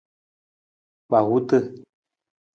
Kpahuta.